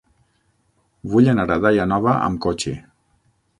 Vull anar a Daia Nova amb cotxe.